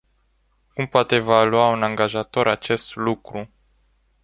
Cum poate evalua un angajator acest lucru?